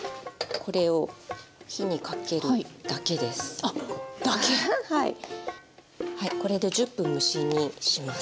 これで１０分蒸し煮します。